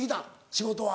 仕事は。